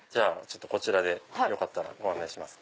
こちらでよかったらご案内しますね。